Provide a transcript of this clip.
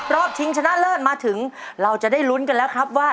ชิงชนะเลิศมาถึงเราจะได้ลุ้นกันแล้วครับว่า